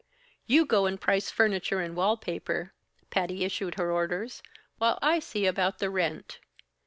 "You go and price furniture and wall paper," Patty issued her orders, "while I see about the rent.